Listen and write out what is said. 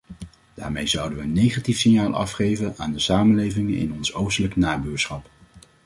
Daarmee zouden we een negatief signaal afgeven aan de samenlevingen in ons oostelijk nabuurschap.